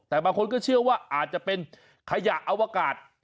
แต่บางคนก็เชื่อว่าอาจจะเป็นขยะอวกาศ